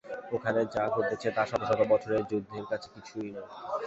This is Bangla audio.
ওখানে যা ঘটেছে তা শত শত বছরের যুদ্ধের কাছে কিছুই নয়।